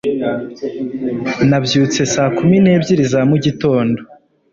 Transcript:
Nabyutse saa kumi nebyiri za mugitondo